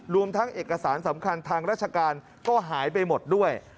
รวมทั้งเอกสารสำคัญทางราชการก็หายไปหมดด้วย